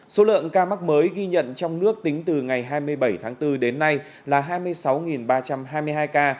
số lượng ca mắc mới ghi nhận trong nước tính từ ngày hai mươi bảy tháng bốn đến nay là hai mươi sáu ba trăm hai mươi hai ca